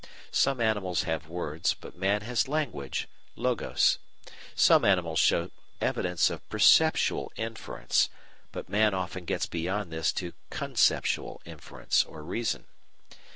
Some animals have words, but man has language (Logos). Some animals show evidence of perceptual inference, but man often gets beyond this to conceptual inference (Reason).